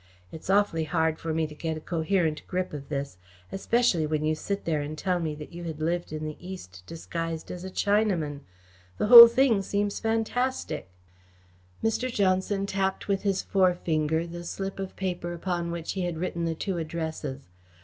It's awfully hard for me to get a coherent grip of this, especially when you sit there and tell me that you lived in the East disguised as a Chinaman. The whole thing seems fantastic." Mr. Johnson tapped with his forefinger the slip of paper upon which he had written the two addresses.